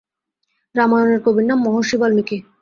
রামায়ণের কবির নাম মহর্ষি বাল্মীকি।